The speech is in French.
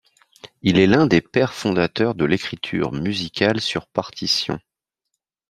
Il est l'un des pères fondateurs de l'écriture musicale sur partition.